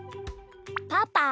パパ？